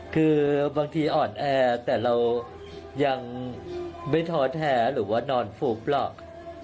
คือบางทีอ่อนแอแต่เรายังไม่ท้อแท้หรือว่านอนฟุบหรอก